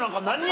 何？